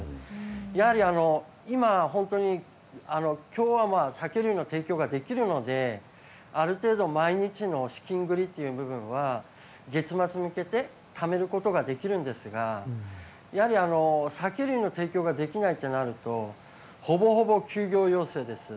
やはり今、本当に今日から酒類の提供ができるので毎日の資金繰りというのは月末に向けてためることができるんですが酒類の提供ができないとなるとほぼほぼ休業要請です。